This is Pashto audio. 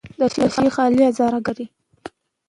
د شیخ علي هزاره ګان لري